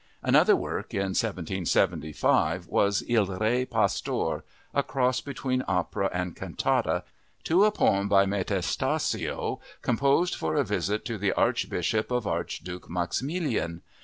Another work in 1775 was Il Re pastore, a cross between opera and cantata, to a poem by Metastasio composed for a visit to the Archbishop of Archduke Maximilian.